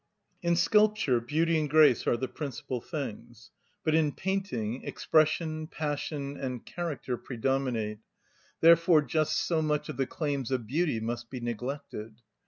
In sculpture beauty and grace are the principal things; but in painting expression, passion, and character predominate; therefore just so much of the claims of beauty must be neglected.